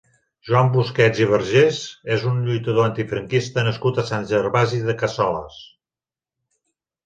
Joan Busquets i Vergés és un lluitador antifranquista nascut a Sant Gervasi de Cassoles.